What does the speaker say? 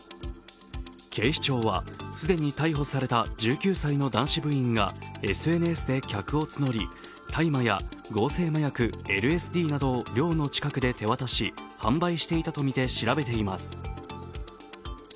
警視庁は既に逮捕された１９歳の男子部員がＳＮＳで客を募り大麻や合成麻薬＝ＬＳＤなどを寮の近くで手渡し販売していたとみて調べています。